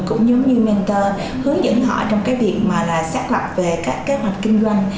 cũng giống như mentor hướng dẫn họ trong việc xác lập về các kế hoạch kinh doanh